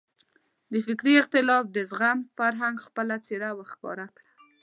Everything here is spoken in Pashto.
د فکري اختلاف د زغم فرهنګ خپله څېره وښکاره کړه.